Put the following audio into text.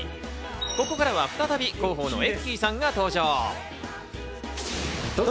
ここから再び広報のｅｋｋｙさんが登場。